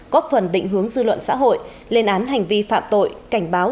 có phần định hướng dư luận xã hội lên án hành vi phạm tội cảnh báo